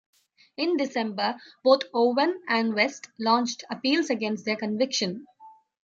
In December, both Owen and West launched appeals against their conviction.